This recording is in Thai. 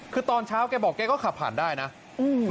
คือตอนเช้าแกบอกแกก็ขับผ่านได้นะอืม